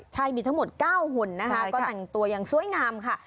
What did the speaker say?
ใช่มีทั้งหมด๙หุ่นนะคะก็แต่งตัวอย่างสวยงามค่ะ